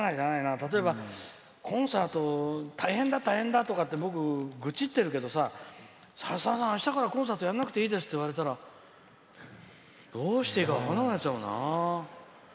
例えば、コンサート大変だ大変だって僕、愚痴ってるけどささださん、あしたからコンサートやらなくていいですって言われたらどうしていいか分かんなくなっちゃうな。